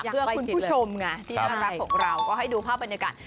เพื่อคุณผู้ชมไงที่น่ารักของเราก็ให้ดูภาพบรรยากาศ